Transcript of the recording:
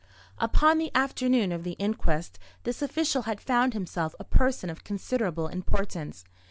Upon the afternoon of the inquest this official had found himself a person of considerable importance.